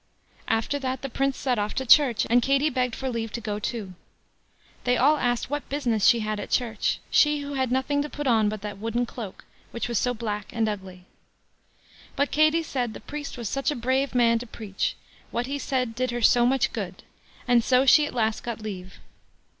After that the Prince set off to church, and Katie begged for leave to go too. They all asked what business she had at church—she who had nothing to put on but that wooden cloak, which was so black and ugly. But Katie said the priest was such a brave man to preach, what he said did her so much good; and so she at last got leave.